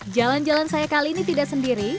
jalan jalan saya kali ini tidak sendiri